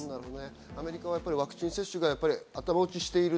アメリカはワクチン接種が頭打ちしている。